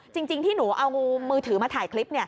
จริงที่หนูเอามือถือมาถ่ายคลิป